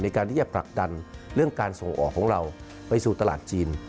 ในการที่จะผลักดันเรื่องการส่งออกของเราไปสู่ตลาดจีน